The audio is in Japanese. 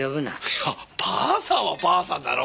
いやばあさんはばあさんだろ。